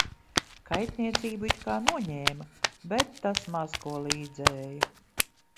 Kaitniecību it kā noņēma, bet tas maz ko līdzēja.